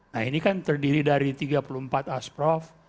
nah ini kan terdiri dari tiga puluh empat asprof